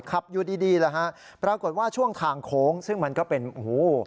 ขับอยู่ดีดีแล้วฮะปรากฏว่าช่วงทางโค้งซึ่งมันก็เป็นโอ้โห